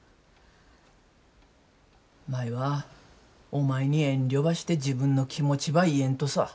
舞はお前に遠慮ばして自分の気持ちば言えんとさ。